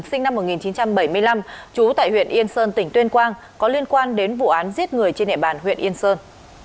sinh năm một nghìn chín trăm bảy mươi năm trú tại huyện yên sơn tỉnh tuyên quang có liên quan đến vụ án giết người trên địa bàn huyện yên sơn